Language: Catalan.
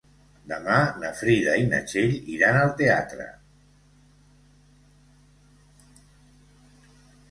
Demà na Frida i na Txell iran al teatre.